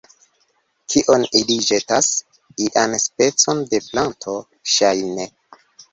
Kion ili ĵetas? ian specon de planto, ŝajne